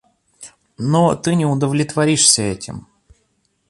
Но ты не удовлетворишься этим.